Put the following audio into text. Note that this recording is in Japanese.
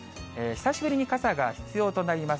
久しぶりに傘が必要となります。